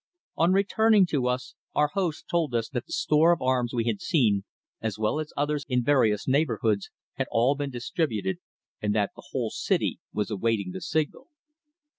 On returning to us our host told us that the store of arms we had seen, as well as others in various neighbourhoods, had all been distributed, and that the whole city was awaiting the signal.